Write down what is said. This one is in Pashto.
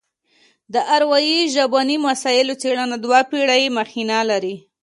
د اروايي ژبني مسایلو څېړنه دوه پېړۍ مخینه لري